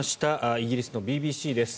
イギリスのＢＢＣです。